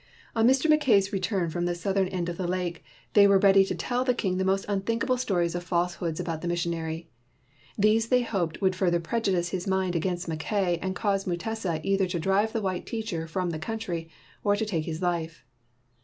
On Mr. Mackay's return from the south ern end of the lake, they were ready to tell 140 MUTESA AND MOHAMMEDANS the king the most unthinkable series of falsehoods about the missionary. These they hoped would further prejudice his mind against Mackay and cause Mutesa either to drive the white teacher from the country or to take his life.